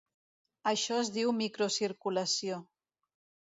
Això es diu microcirculació.